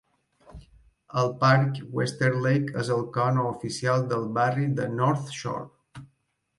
El parc Westerleigh és el cor no oficial del barri de North Shore.